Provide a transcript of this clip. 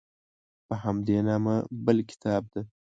په همدې نامه بل کتاب ده.